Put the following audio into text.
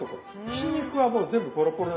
ひき肉はもう全部ポロポロ。